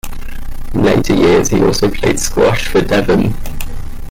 In later years he also played squash for Devon.